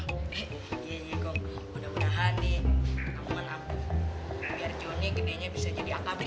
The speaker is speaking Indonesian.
iya iya kok mudah mudahan nih aman aman biar jonny gedenya bisa jadi akabri